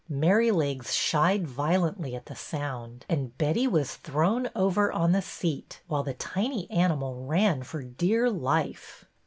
Merry legs shied violently at the sound, and Betty was thrown over on the seat, while the tiny animal ran for dear life.